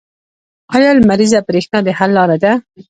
آیا لمریزه بریښنا د حل لاره ده؟